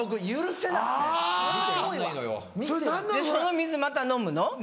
その水また飲むの？